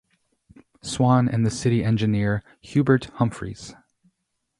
Swann and the City Engineer Hubert Humphries.